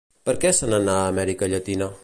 Per què se n'anà a Amèrica Llatina?